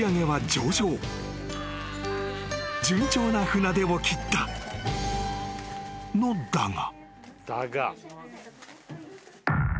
［順調な船出を切ったのだが］